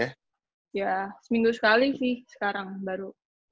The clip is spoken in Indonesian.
ya seminggu sekali sih sekarang baru